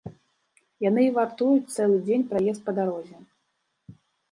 Яны і вартуюць цэлы дзень праезд па дарозе.